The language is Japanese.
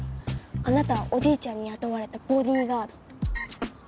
あなたはおじいちゃんに雇われたボディーガード。